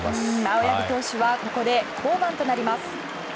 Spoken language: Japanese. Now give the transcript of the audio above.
青柳投手はここで降板となります。